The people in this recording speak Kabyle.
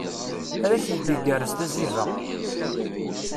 Ad ak-d-igerrez tazziba.